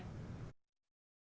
phát triển nông thôn về vấn đề này